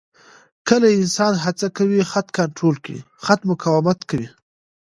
کله انسان هڅه کوي خط کنټرول کړي، خط مقاومت کوي.